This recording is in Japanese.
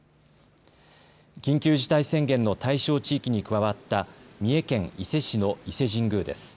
緊急事態宣言の対象地域に加わった、三重県伊勢市の伊勢神宮です。